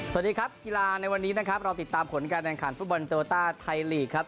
สวัสดีครับกีฬาในวันนี้นะครับเราติดตามผลการแข่งขันฟุตบอลโตต้าไทยลีกครับ